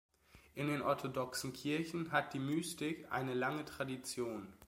In den orthodoxen Kirchen hat die Mystik eine lange Tradition.